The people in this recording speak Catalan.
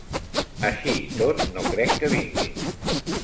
Així i tot, no crec que vinguin.